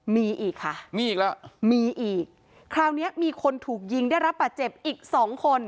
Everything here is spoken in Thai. มีอีกค่ะมีอีกแล้วมีอีกคราวเนี้ยมีคนถูกยิงได้รับป่าเจ็บอีกสองคน